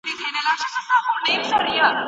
د خپل تقدیر به بېل کتاب جوړوو